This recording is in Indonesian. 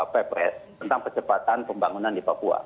ppres tentang percepatan pembangunan di papua